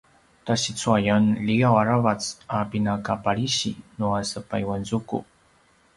tasicuayan liav aravac a pinakapalisi nua sepayuanzuku